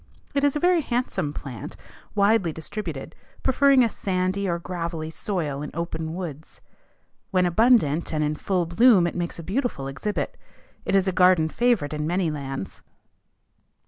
It is a very handsome plant, widely distributed, preferring a sandy or gravelly soil in open woods. When abundant and in full bloom it makes a beautiful exhibit. It is a garden favorite in many lands.